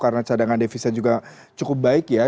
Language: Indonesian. karena cadangan devisa juga cukup baik ya